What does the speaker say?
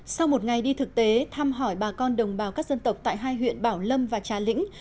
sau một ngày đi thực tế thăm hỏi bà con đồng bào các dân tộc tại hai huyện bảo lâm và trà lĩnh